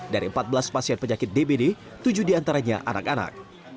dari empat belas pasien penyakit dbd tujuh diantaranya anak anak